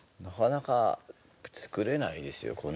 なかなか作れないですよ